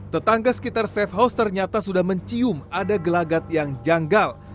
tetangga sekitar safe house ternyata sudah mencium ada gelagat yang janggal